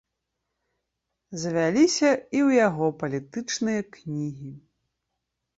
Завяліся і ў яго палітычныя кнігі.